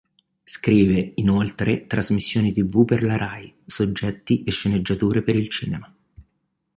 Scrive, inoltre, trasmissioni tv per la Rai, soggetti e sceneggiature per il cinema.